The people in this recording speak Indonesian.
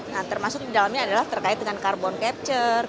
nah termasuk di dalamnya adalah terkait dengan carbon capture